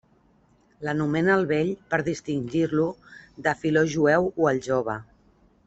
L'anomena el Vell per distingir-lo de Filó Jueu o el Jove.